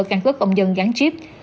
căn cứ công dân gắn chip